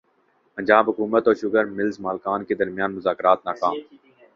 پنجاب حکومت اور sugar mills مالکان کے درمیان مذاکرات ناکام